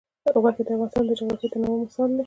غوښې د افغانستان د جغرافیوي تنوع مثال دی.